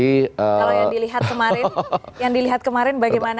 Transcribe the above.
kalau yang dilihat kemarin yang dilihat kemarin bagaimana